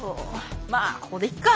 まあここでいっか。